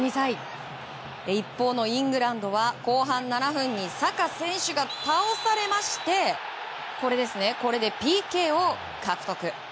一方のイングランドは後半７分にサカ選手が倒されましてＰＫを獲得。